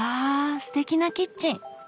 すてきなキッチン！